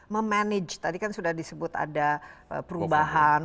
memanage tadi kan sudah disebut ada perubahan